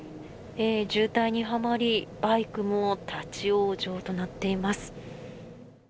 渋滞にはまり、バイクも立ち往生となっています。